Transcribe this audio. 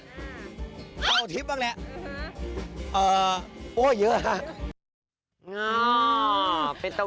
เต้าทิปบ้างแหละ